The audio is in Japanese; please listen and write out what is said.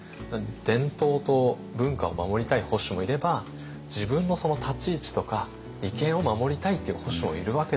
伝統と文化を守りたい保守もいれば自分の立ち位置とか利権を守りたいっていう保守もいるわけですよ。